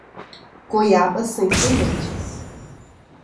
Goiaba sem sementes